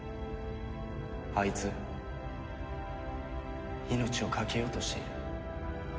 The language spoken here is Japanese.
あいつ命をかけようとしている。